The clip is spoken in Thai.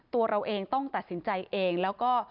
ตัวเราเองต้องตัดสินใจเองแล้วก็